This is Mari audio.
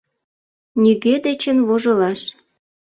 Нигӧ дечын вожылаш.